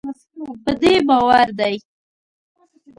په دې باور دی